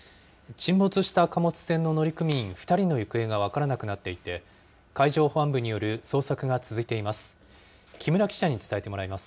沈没した貨物船の乗組員２人の行方が分からなくなっていて、海上保安部による捜索が続いています。